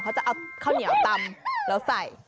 เขาจะเอาข้าวเหนียวตำแล้วใส่